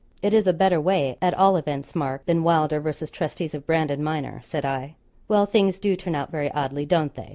'It is a better way, at all events, Mark, than Wylder versus Trustees of Brandon, minor,' said I. 'Well, things do turn out very oddly; don't they?'